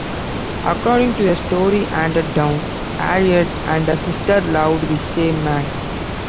According to a story handed down, Harriet and her sister loved the same man.